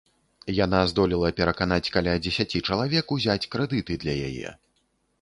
Яна здолела пераканаць каля дзесяці чалавек узяць крэдыты для яе.